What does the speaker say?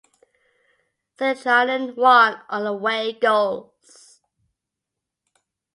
Stjarnan won on away goals.